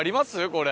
これ。